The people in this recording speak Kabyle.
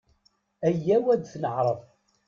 Aya-w ad t-neƐreḍ.